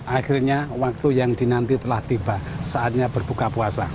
akhirnya waktu yang dinanti telah tiba saatnya berbuka puasa